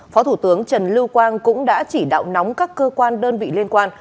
phó thủ tướng trần lưu quang cũng đã chỉ đạo nóng các cơ quan đơn vị liên quan